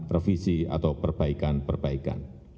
revisi atau perbaikan perbaikan